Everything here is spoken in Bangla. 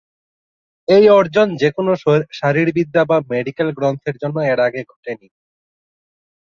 এই অর্জন যেকোনো শারীরবিদ্যা বা মেডিকেল গ্রন্থের জন্য এর আগে ঘটে নি।